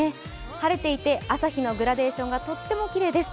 晴れていて、朝日のグラデーションがとってもきれいです。